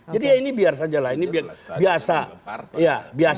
jadi ya ini biar saja lah ini biasa